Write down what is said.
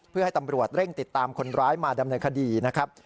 เพื่อให้ตำรวจเร่งติดตามคนร้ายมาดำเนินคดีนะครับ